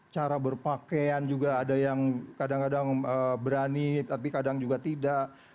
cara berpakaian juga ada yang kadang kadang berani tapi kadang juga tidak